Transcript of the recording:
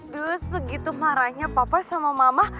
duh segitu marahnya papa sama mama